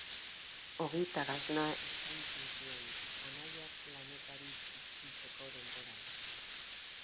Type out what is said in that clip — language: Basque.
Ogi ta gasna eskaintzen zion, anaiak lanetarik itzultzeko denboran.